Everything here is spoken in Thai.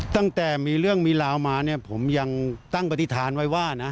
ตั้งแต่มีเรื่องมีราวมาเนี่ยผมยังตั้งปฏิฐานไว้ว่านะ